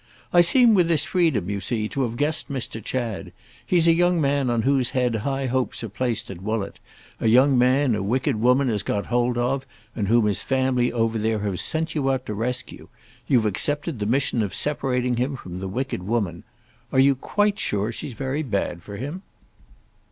"I seem with this freedom, you see, to have guessed Mr. Chad. He's a young man on whose head high hopes are placed at Woollett; a young man a wicked woman has got hold of and whom his family over there have sent you out to rescue. You've accepted the mission of separating him from the wicked woman. Are you quite sure she's very bad for him?"